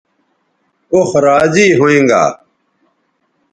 اوخ راضی ھوینگا